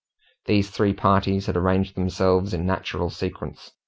These three parties had arranged themselves in natural sequence.